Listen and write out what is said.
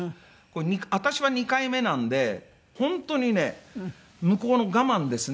私は２回目なので本当にね向こうの我慢ですね。